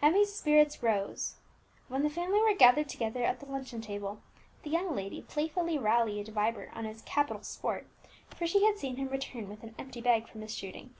Emmie's spirits rose. When the family were gathered together at the luncheon table, the young lady playfully rallied Vibert on his "capital sport," for she had seen him return with an empty bag from his shooting.